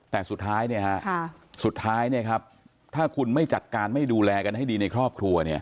แต่สุดท้ายสุดท้ายถ้าคุณไม่จัดการไม่ดูแลกันให้ดีในครอบครัว